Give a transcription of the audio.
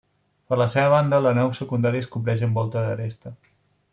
Per la seva banda la nau secundària es cobreix amb Volta d'aresta.